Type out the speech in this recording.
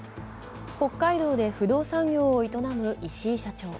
北海道で不動産業を営む石井社長。